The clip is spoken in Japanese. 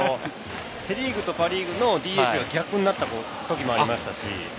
セ・リーグとパ・リーグのＤＨが逆になったときもありましたし。